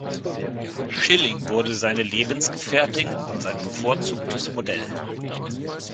Schilling wurde seine Lebensgefährtin und sein bevorzugtes Modell.